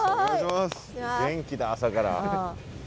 元気だ朝から。